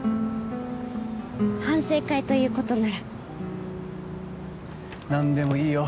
反省会ということならなんでもいいよ